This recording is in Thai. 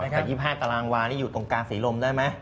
แต่๒๕ตารางวานี่อยู่ตรงกลางศรีลมได้ไหม